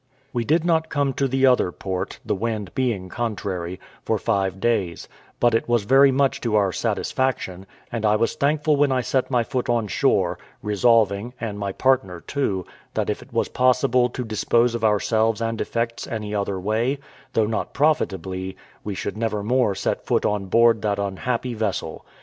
We did not come to the other port (the wind being contrary) for five days; but it was very much to our satisfaction, and I was thankful when I set my foot on shore, resolving, and my partner too, that if it was possible to dispose of ourselves and effects any other way, though not profitably, we would never more set foot on board that unhappy vessel.